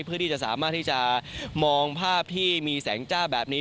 เพื่อที่จะสามารถที่จะมองภาพที่มีแสงจ้าแบบนี้